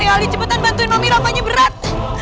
ali cepetan bantuin mami rafanya berat